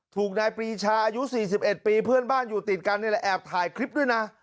ถูกนายปรีชาอายุ๔๑ปีเพื่อนบ้านอยู่ติดกันนี่แหละแอบถ่ายคลิปด้วยนะ